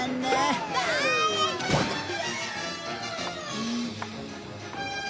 うん。